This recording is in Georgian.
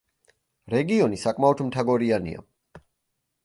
რეგიონი საკმაოდ მთაგორიანია.